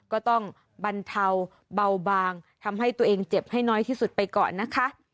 ก็ต้องบรรเทาเบาบางทำให้ตัวเองเจ็บให้น้อยที่สุดไปก่อนนะคะ